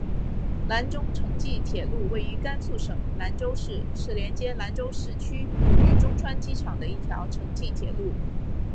兰中城际铁路位于甘肃省兰州市是连接兰州市区与中川机场的一条城际铁路。